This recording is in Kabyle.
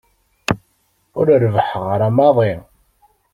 Ur rebbḥeɣ ara maḍi.